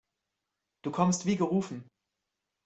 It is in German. Du kommst wie gerufen.